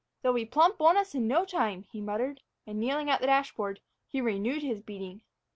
"They'll be plump on us in no time," he muttered, and, kneeling at the dashboard, he renewed his beating.